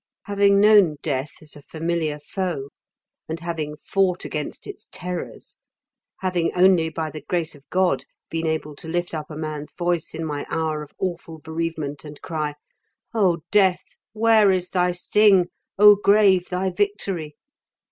Having known Death as a familiar foe, and having fought against its terrors; having only by the grace of God been able to lift up a man's voice in my hour of awful bereavement, and cry, "O Death, where is thy sting, O Grave, thy Victory?"